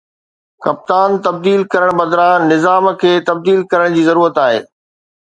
ڪپتان تبديل ڪرڻ بدران نظام کي تبديل ڪرڻ جي ضرورت آهي